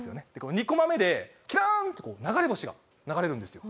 ２コマ目でキラーンってこう流れ星が流れるんですよ。